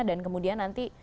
dan kemudian nanti